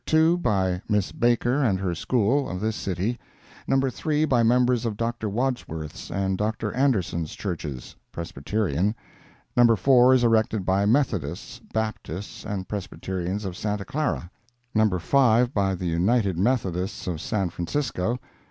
2, by Miss Baker and her School, of this city; No. 3, by members of Dr. Wadsworth's and Dr. Anderson's Churches, (Presbyterian;) No. 4 is erected by Methodists, Baptists and Presbyterians of Santa Clara; No. 5, by the United Methodists of San Francisco; No.